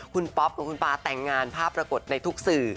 คุณป๊อปกับคุณป๊าแต่งงานภาพปรากฏในทุกสื่อ